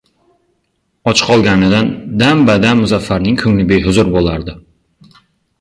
Och qolganidan dam-badam Muzaffarning ko‘ngli behuzur bo‘lardi.